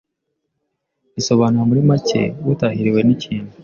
Risobanura muri muri make ‘utahiriwe n’ikintu